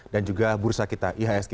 dan juga bursa kita ihsg